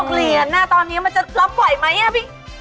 ๖เหรียญน่ะตอนนี้มันจะรับไหวไหม